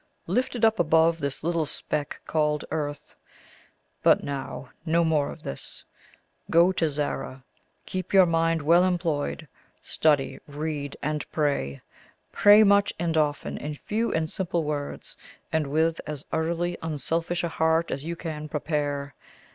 "Lifted up above this little speck called earth. But now, no more of this. Go to Zara; keep your mind well employed; study, read, and pray pray much and often in few and simple words, and with as utterly unselfish a heart as you can prepare.